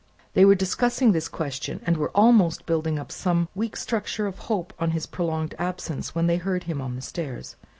They were discussing this question, and were almost building up some weak structure of hope on his prolonged absence, when they heard him on the stairs.